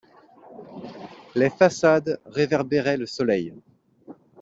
Les façades réverbéraient le soleil.